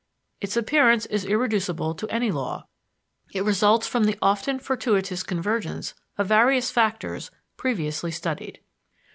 Its appearance is irreducible to any law; it results from the often fortuitous convergence of various factors previously studied.